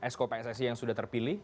skpssi yang sudah terpilih